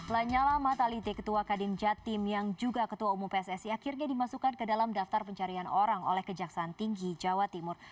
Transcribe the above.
lanyala mataliti ketua kadin jatim yang juga ketua umum pssi akhirnya dimasukkan ke dalam daftar pencarian orang oleh kejaksaan tinggi jawa timur